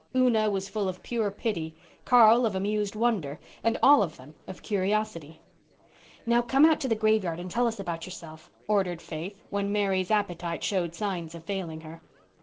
Una was full of pure pity, Carl of amused wonder, and all of them of curiosity. "Now come out to the graveyard and tell us about yourself," ordered Faith, when Mary's appetite showed signs of failing her.